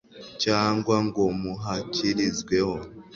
cyangwa ngo muhakirizweho